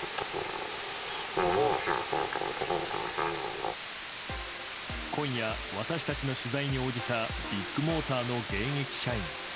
何が変わったのかも、今夜、私たちの取材に応じたビッグモーターの現役社員。